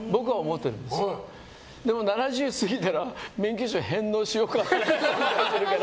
でも、７０過ぎたら免許証返納しようかと考えてるから。